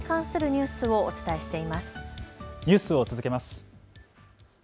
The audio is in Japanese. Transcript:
ニュースを続けます。